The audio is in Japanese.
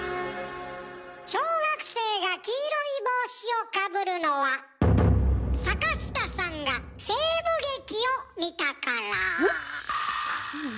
小学生が黄色い帽子をかぶるのは坂下さんが西部劇を見たから。